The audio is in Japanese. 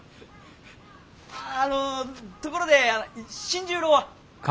あのところで新十郎は？